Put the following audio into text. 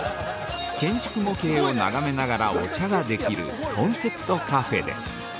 建築模型を眺めながらお茶ができるコンセプトカフェです。